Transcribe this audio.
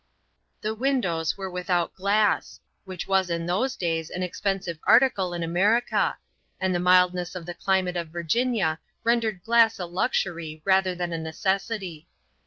The windows were without glass, which was in those days an expensive article in America, and the mildness of the climate of Virginia rendered glass a luxury rather than a necessity.